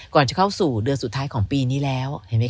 ก่อนจะเข้าสู่เดือนสุดท้ายของปีนี้แล้วเห็นไหมค